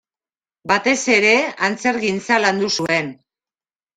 Batez ere antzerkigintza landu zuen.